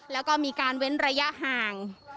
แล้วก็มีการเว้นระยะห่าง